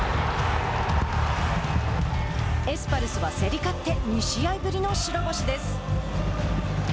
エスパルスは競り勝って２試合ぶりの白星です。